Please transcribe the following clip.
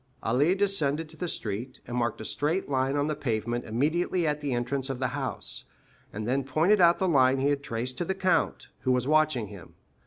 Ali descended to the street, and marked a straight line on the pavement immediately at the entrance of the house, and then pointed out the line he had traced to the count, who was watching him.